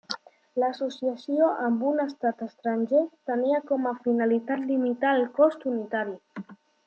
L'associació amb un estat estranger tenia com a finalitat limitar el cost unitari.